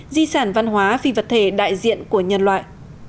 di sản văn hóa phi vật thể đại diện của nhân loại